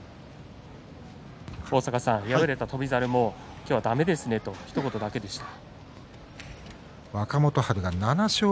敗れた翔猿は今日はだめですねとひと言だけでした。